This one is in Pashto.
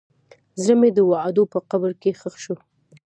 زړه مې د وعدو په قبر کې ښخ شو.